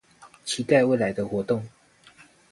期待未來的活動